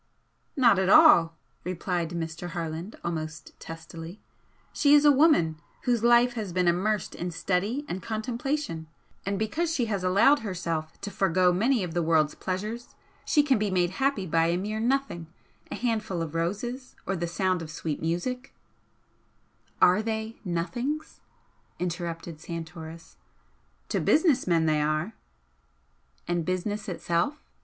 "Not at all," replied Mr. Harland, almost testily "She is a woman whose life has been immersed in study and contemplation, and because she has allowed herself to forego many of the world's pleasures she can be made happy by a mere nothing a handful of roses or the sound of sweet music " "Are they 'nothings'?" interrupted Santoris. "To business men they are " "And business itself?